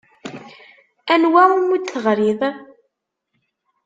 Anwa umi d-teɣrid?